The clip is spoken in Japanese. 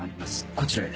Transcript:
こちらへ。